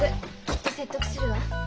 きっと説得するわ。